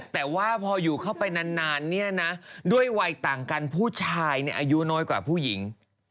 แต่ว่าพออยู่เข้าไปนานเนี่ยนะด้วยวัยต่างกันผู้ชายอายุน้อยกว่าผู้หญิง